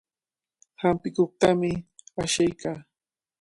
Hampikuqtami ashiykaa.